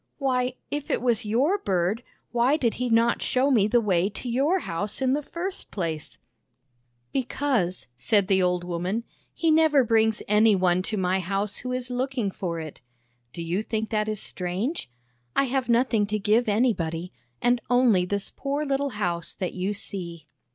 " Why, if it was your bird, why did he not show me the way to your house in the first place? " 1 2 1 THE BAG OF SMILES " Because," said the old woman, " he never brings any one to my house who is looking for it. Do you think that is strange? I have nothing to give anybody, and only this poor little house that you see."